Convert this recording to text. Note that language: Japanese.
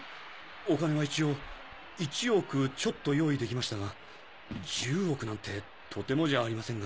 お金は一応１億ちょっと用意できましたが１０億なんてとてもじゃありませんが。